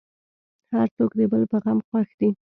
هر څوک د بل په غم خوښ دی.